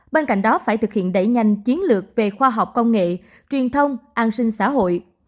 bên cạnh đó phải thực hiện đẩy nhanh chiến lược về khoa học công nghệ truyền thông an sinh xã hội